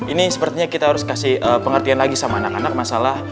ini sepertinya kita harus kasih pengertian lagi sama anak anak masalah